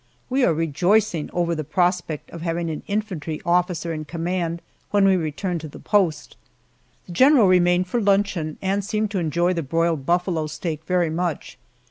We are rejoicing over the prospect of having an infantry officer in command when we return to the post. The general remained for luncheon and seemed to enjoy the broiled buffalo steak very much.